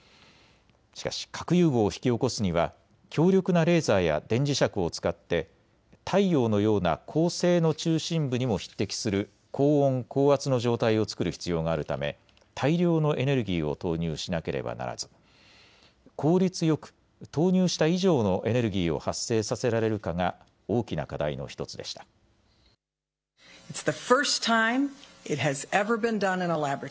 しかし核融合を引き起こすには強力なレーザーや電磁石を使って太陽のような恒星の中心部にも匹敵する高温高圧の状態を作る必要があるため大量のエネルギーを投入しなければならず効率よく投入した以上のエネルギーを発生させられるかが大きな課題の１つでした。